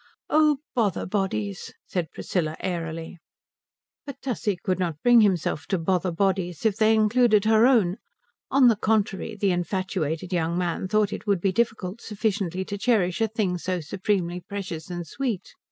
"Oh bother bodies," said Priscilla airily. But Tussie could not bring himself to bother bodies if they included her own; on the contrary, the infatuated young man thought it would be difficult sufficiently to cherish a thing so supremely precious and sweet.